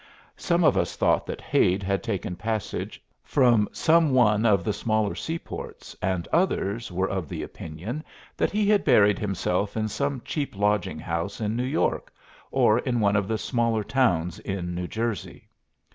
Some of us thought Hade had taken passage from some one of the smaller seaports, and others were of the opinion that he had buried himself in some cheap lodging house in New York, or in one of the smaller towns in New Jersey.